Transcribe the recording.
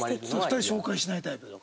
２人紹介しないタイプだ。